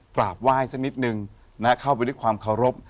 กราบไหว้สักนิดนึงเข้าไปด้วยความเคารพ